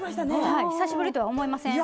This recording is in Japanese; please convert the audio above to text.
久しぶりとは思えません。